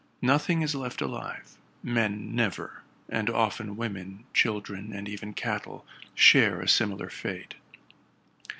Nothing is left alive ; men never: and often women, children, and even cattle, share a similar fate.